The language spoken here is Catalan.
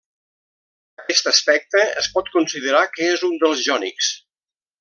Aquest aspecte es pot considerar que és un dels jònics.